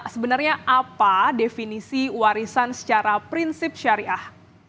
sebenarnya apa definisi warisan secara prinsip syariah